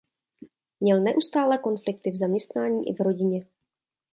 Měl neustále konflikty v zaměstnání i v rodině.